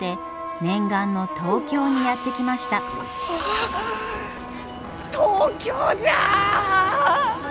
ああ東京じゃ！